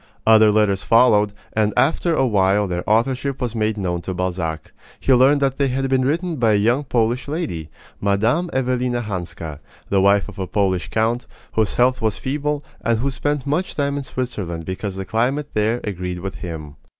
Other letters followed, and after a while their authorship was made known to Balzac. He learned that they had been written by a young Polish lady, Mme. Evelina Hanska, the wife of a Polish count, whose health was feeble, and who spent much time in Switzerland because the climate there agreed with him.